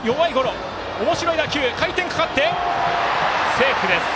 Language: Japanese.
セーフです。